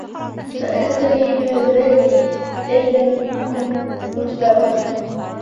فَأَسرِ بِعِبادي لَيلًا إِنَّكُم مُتَّبَعونَ